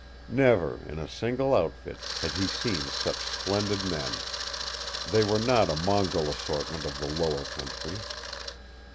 Never, in a single outfit, had he seen such splendid men. They were not a mongrel assortment of the lower country.